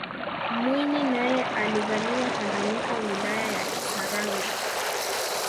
mwinyi naye alizaliwa tanganyika wilaya ya kisarawe